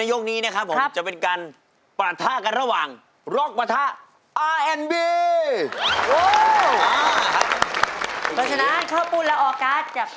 น้องข้าวปุ่นครับผม